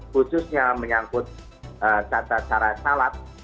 khususnya menyangkut tata cara salat